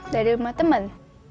dari rumah temen